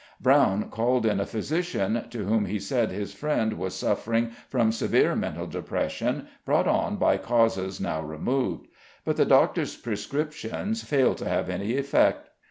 Brown called in a physician, to whom he said his friend was suffering from severe mental depression, brought on by causes now removed; but the doctor's prescriptions failed to have any effect.